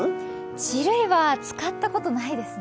チルいは使ったことないですね。